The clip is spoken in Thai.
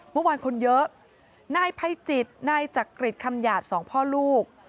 เมื่อวานคนเยอะนายภัยจิตนายจักริจคำหยาดสองพ่อลูก